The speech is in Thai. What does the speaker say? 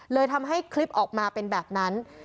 เลยทำให้คลิปออกมาเป็นแบบนั้น